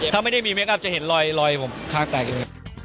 ถ้าไม่ได้มีเมคอัพจะเห็นรอยรอยผมค้างแตกอยู่